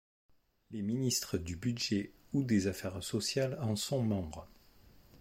Les ministres du Budget ou des Affaires sociales en sont membres.